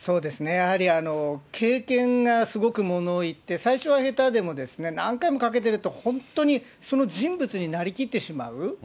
やはり経験がすごくものをいって、最初は下手でも、何回もかけてると、本当に、その人物になりきってしまう。